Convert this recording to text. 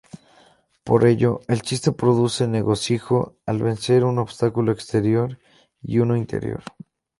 Por ello, el chiste produce regocijo al vencer un obstáculo exterior y uno interior.